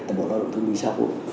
tại bộ lao động thương binh xã hội